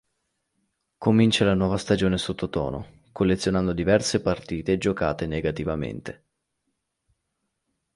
Comincia la nuova stagione sottotono, collezionando diverse partite giocate negativamente.